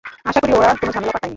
আশা করি, ওরা কোনো ঝামেলা পাকায়নি।